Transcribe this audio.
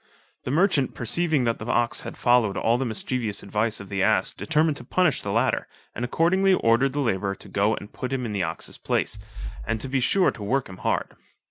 The merchant perceiving that the ox had followed all the mischievous advice of the ass, determined to punish the latter, and accordingly ordered the labourer to go and put him in the ox's place, and to he sure to work him hard.